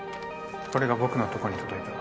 これが僕のところに届いた。